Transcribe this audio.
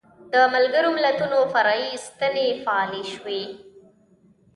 د ملګرو ملتونو فرعي ستنې فعالې شوې.